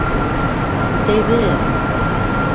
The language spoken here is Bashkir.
Үтәйбеҙ!